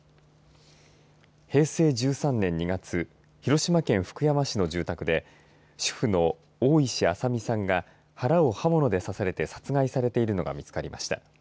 平成１３年２月広島県福山市の住宅で主婦の大石朝美さんが腹を刃物で刺されて殺害されているのが見つかりました。